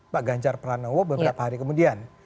pak ganjar pranowo beberapa hari kemudian